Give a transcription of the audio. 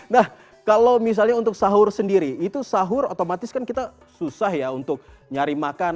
nah kalau misalnya untuk sahur sendiri itu sahur otomatis kan kita susah ya untuk nyari makan